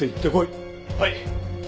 はい！